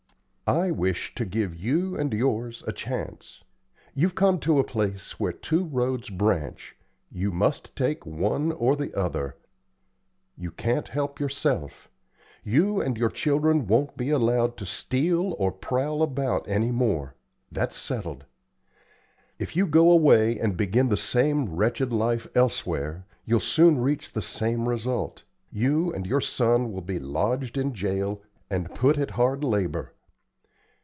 I wish to give you and yours a chance. You've come to a place where two roads branch; you must take one or the other. You can't help yourself. You and your children won't be allowed to steal or prowl about any more. That's settled. If you go away and begin the same wretched life elsewhere, you'll soon reach the same result; you and your son will be lodged in jail and put at hard labor.